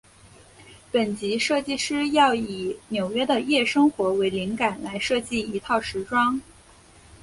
本集设计师要以纽约的夜生活为灵感来设计一套时装。